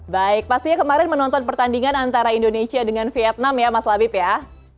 baik pastinya kemarin menonton pertandingan antara indonesia dengan vietnam ya mas labib ya